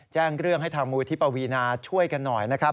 แจ้งเรื่องให้ทางมูลที่ปวีนาช่วยกันหน่อยนะครับ